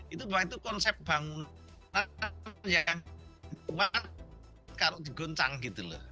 itu bahwa itu konsep bangunan yang kuat kalau digoncang gitu loh